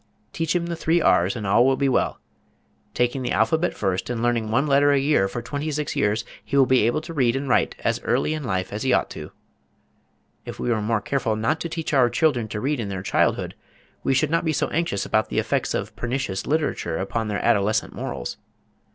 Teach him the three Rs and all will be well. Taking the alphabet first and learning one letter a year for twenty six years he will be able to read and write as early in life as he ought to. If we were more careful not to teach our children to read in their childhood we should not be so anxious about the effects of pernicious literature upon their adolescent morals.